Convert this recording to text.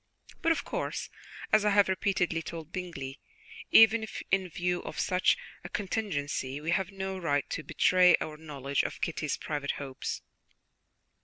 But, of course, as I have repeatedly told Bingley, even in view of such a contingency we have no right to betray our knowledge of Kitty's private hopes."